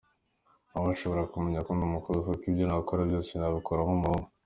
Nta washobora kumenya ko ndi umukobwa, kuko ivyo nakora vyose nabikora nk'umuhungu.